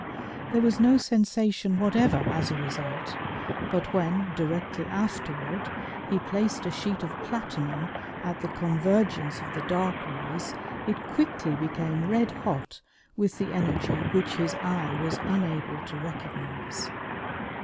There was no sensation whatever as a result, but when, directly afterward, he placed a sheet of platinum at the convergence of the dark rays it quickly became red hot with the energy which his eye was unable to recognize.